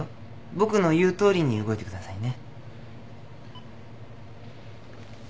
僕の言うとおりに動いてくださいね。